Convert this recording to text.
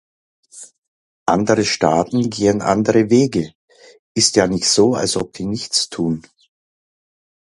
Andere Staaten gehen andere Wegeist ja nicht so, als ob die nichts tun.